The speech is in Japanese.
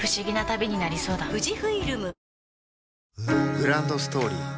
グランドストーリー